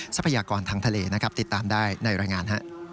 ทรัพยากรทางทะเลนะครับติดตามได้ในรายงาน